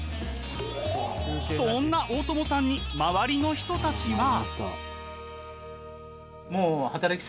そんな大友さんに周りの人たちは。